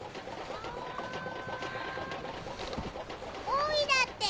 「おい」だって。